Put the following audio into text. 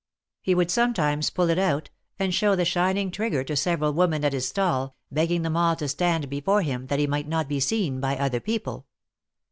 He would sometimes pull it out, and show the shining trigger to several women at his stall, begging them all to stand before him, that he might not be seen by other people.